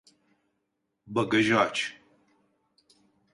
Bagajı aç!